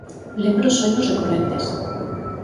Lembro soños recorrentes.